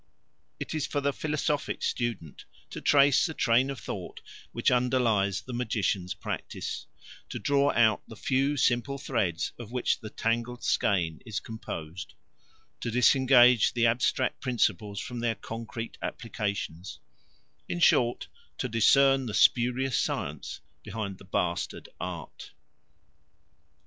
It is for the philosophic student to trace the train of thought which underlies the magician's practice; to draw out the few simple threads of which the tangled skein is composed; to disengage the abstract principles from their concrete applications; in short, to discern the spurious science behind the bastard art.